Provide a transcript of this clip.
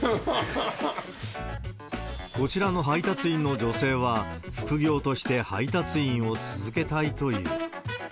こちらの配達員の女性は、副業として配達員を続けたいという。